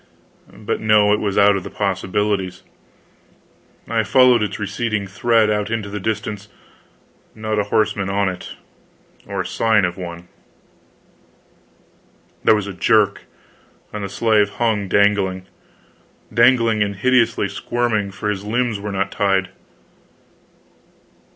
But no, it was out of the possibilities. I followed its receding thread out into the distance not a horseman on it, or sign of one. There was a jerk, and the slave hung dangling; dangling and hideously squirming, for his limbs were not tied.